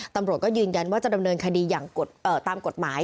ตำรวจก็ยืนยันว่าจะดำเนินคดีอย่างตามกฎหมาย